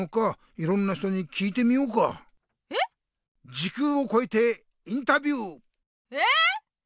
時空をこえてインタビュー！え？